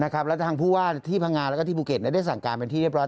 แล้วทางผู้ว่าที่พังงาแล้วก็ที่ภูเก็ตได้สั่งการเป็นที่เรียบร้อ